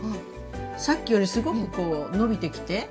さっきよりすごく伸びてきてねえ